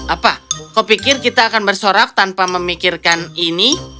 apa kau pikir kita akan bersorak tanpa memikirkan ini